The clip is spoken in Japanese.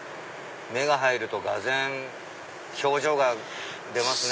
目が入るとがぜん表情が出ますね。